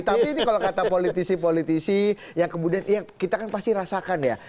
tapi ini kalau kata politisi politisi yang kemudian ya kita kan pasti rasakan ya